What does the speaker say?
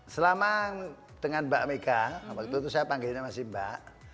selama dengan mbak mega waktu itu saya panggilnya masih mbak